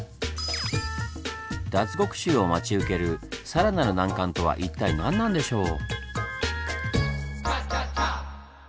脱獄囚を待ち受ける更なる難関とは一体何なんでしょう？